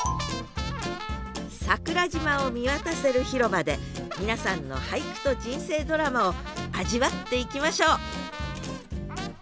桜島を見渡せる広場で皆さんの俳句と人生ドラマを味わっていきましょう！